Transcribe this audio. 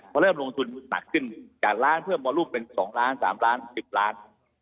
พอเริ่มลงทุนหนักขึ้นจากล้านเพิ่มบอลรูปเป็น๒ล้าน๓ล้าน๑๐ล้าน